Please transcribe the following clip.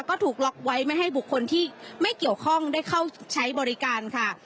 ก็ถูกล็อกไว้ไม่ให้บุคคลที่ไม่เกี่ยวข้องได้เข้าใช้บริการค่ะ